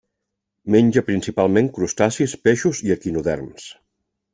Menja principalment crustacis, peixos i equinoderms.